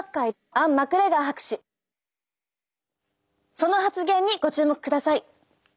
その発言にご注目ください。